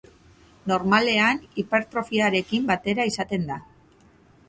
Normalean hipertrofiarekin batera izaten da.